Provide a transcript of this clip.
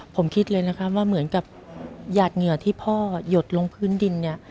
ผมคิดเลยนะคะว่าเหมือนกับหยาดเหงื่อที่พ่อหยดลงพื้นดินเนี่ย